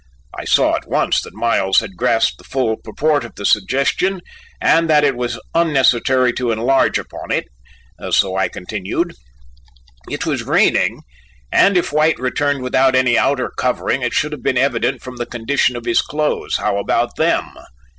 I saw at once that Miles had grasped the full purport of the suggestion, and that it was unnecessary to enlarge upon it, so I continued: "It was raining and if White returned without any outer covering it should have been evident from the condition of his clothes. How about them?"